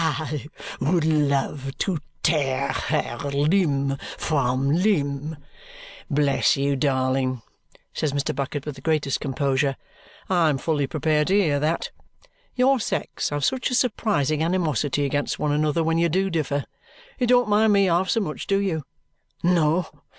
"I would love to tear her limb from limb." "Bless you, darling," says Mr. Bucket with the greatest composure, "I'm fully prepared to hear that. Your sex have such a surprising animosity against one another when you do differ. You don't mind me half so much, do you?" "No.